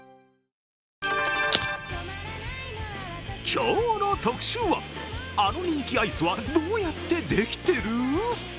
今日の特集は、あの人気アイスはどうやってできてる？